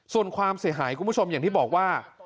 ส่วนความเสียหายคุณผู้ชมอย่างที่บอกว่า